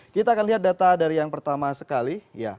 kita akan lihat data dari yang pertama sekali